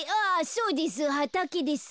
そうです。